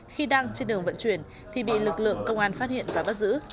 khi đang trên đường vận chuyển thì bị lực lượng công an phát hiện và bắt giữ